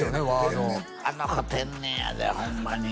「あの子天然やでホンマに」